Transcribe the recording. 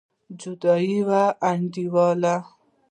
جدي وايم انډيواله.